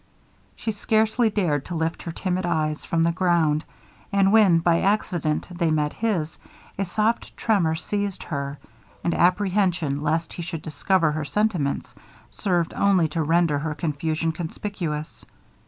She scarcely dared to lift her timid eyes from the ground, and when by accident they met his, a soft tremour seized her; and apprehension lest he should discover her sentiments, served only to render her confusion conspicuous.